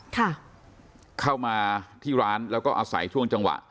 ค่ะเข้ามาที่ร้านแล้วก็อาศัยช่วงจังหวะ